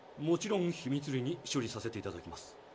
もちろん秘密裏に処理させていただきます。